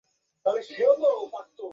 তবে তার জিহবা তার এখতিয়ারে ছিল না।